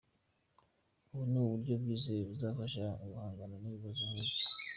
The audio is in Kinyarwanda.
Ubu ni uburyo bwizewe buzafasha guhangana n’ibibazo nk’ibyo.